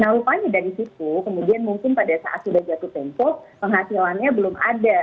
nah rupanya dari situ kemudian mungkin pada saat sudah jatuh tempo penghasilannya belum ada